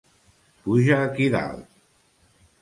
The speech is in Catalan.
Puja aquí dalt!